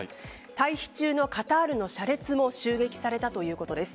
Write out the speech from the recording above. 退避中のカタールの車列も襲撃されたということです。